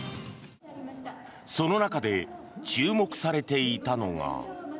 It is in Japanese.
その中で注目されていたのが。